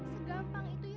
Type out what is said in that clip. segampang itu ya